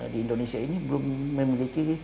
di indonesia ini belum memiliki